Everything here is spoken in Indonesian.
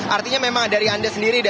artinya memang dari anda sendiri